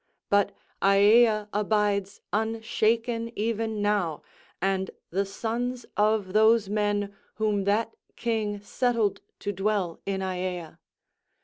But Aea abides unshaken even now and the sons of those men whom that king settled to dwell in Aea.